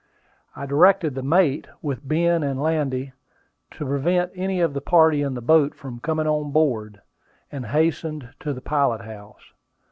I directed the mate with Ben and Landy to prevent any of the party in the boat from coming on board, and hastened to the pilot house.